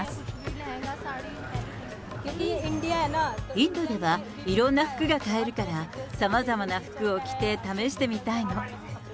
インドではいろんな服が買えるから、さまざまな服を着て試してみたいの。